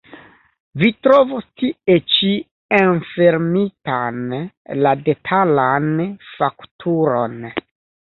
Vi trovos tie ĉi enfermitan la detalan fakturon.